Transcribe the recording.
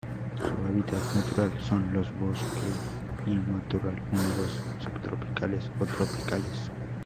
Su hábitat natural son: los bosque y matorral húmedos subtropicales o tropicales.